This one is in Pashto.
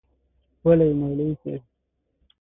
وله یی مولوی صیب